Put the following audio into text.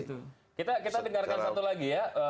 kita dengarkan satu lagi ya